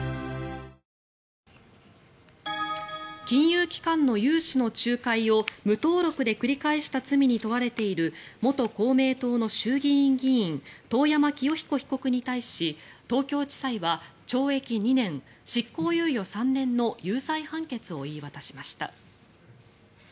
金融機関の融資の仲介を無登録で繰り返した罪に問われている元公明党の衆議院議員遠山清彦被告に対し東京地裁は懲役２年、執行猶予３年の有罪判決を言い渡しました。